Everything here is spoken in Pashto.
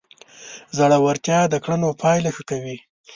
زړورتیا د کړنو پایله ښه کوي.